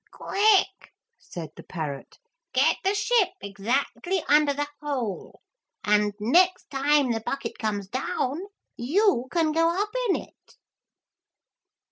'Quick,' said the parrot, 'get the ship exactly under the hole, and next time the bucket comes down you can go up in it.'